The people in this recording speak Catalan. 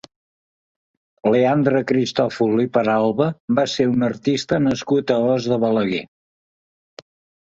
Leandre Cristòfol i Peralba va ser un artista nascut a Os de Balaguer.